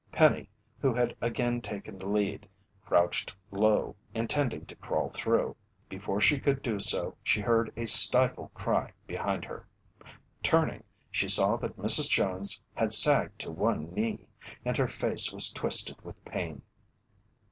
Penny, who again had taken the lead, crouched low, intending to crawl through. Before she could do so, she heard a stifled cry behind her. Turning, she saw that Mrs. Jones had sagged to one knee, and her face was twisted with pain.